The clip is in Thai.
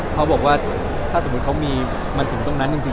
เขาบอกว่าถ้าสมมุติเขามีมาถึงตรงนั้นจริง